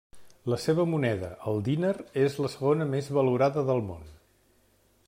La seva moneda, el dinar, és la segona més valorada del món.